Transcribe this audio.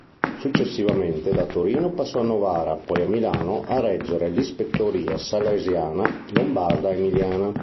Successivamente da Torino passò a Novara poi a Milano a reggere l'ispettoria salesiana lombarda-emiliana.